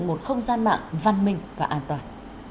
một không gian mạng văn minh và an toàn